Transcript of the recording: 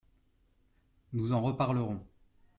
Nous en reparlerons.